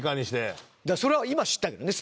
それは今知ったけどね。